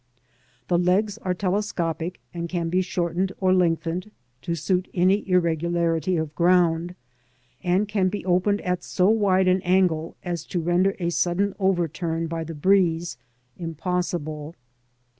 The legs are telescopic and can be shortened or lengthened to suit any irr^^larity of ground, and can be opened at so wide an angle as to render a sudden overturn by the breeze impossible.